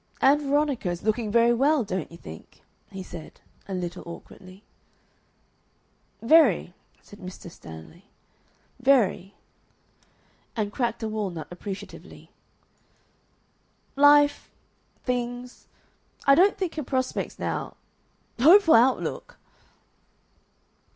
"Ann Veronica is looking very well, don't you think?" he said, a little awkwardly. "Very," said Mr. Stanley. "Very," and cracked a walnut appreciatively. "Life things I don't think her prospects now Hopeful outlook."